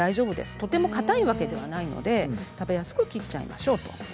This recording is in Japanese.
とてもかたいわけではないので食べやすく切っちゃいましょう。